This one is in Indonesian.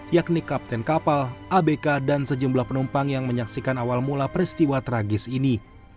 yakni kapten kapal abk dan sejumlah penumpang yang menyaksikan awal mula peristiwa tragis ini